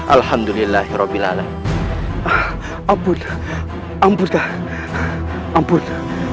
alhamdulillahirobbilalaih ampun ampun ampun